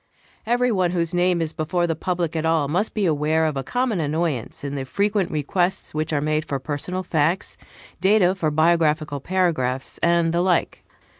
Every one whose name is before the public at all must be aware of a common annoyance in the frequent requests which are made for personal facts, data for biographical paragraphs, and the like.